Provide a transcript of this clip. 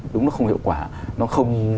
đúng nó không hiệu quả nó không